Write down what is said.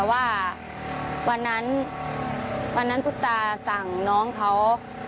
วันนั้นสมมติสั่งน้องเขา